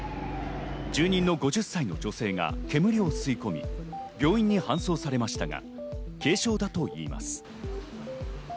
住人の５０歳の女性が煙を吸い込み、病院に搬送されましたが軽傷だといいます。